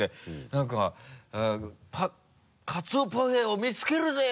何か「カツオパフェを見つけるぜよ